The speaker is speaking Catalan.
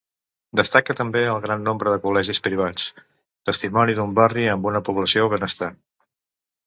Destaca també el gran nombre de col·legis privats, testimoni d'un barri amb una població benestant.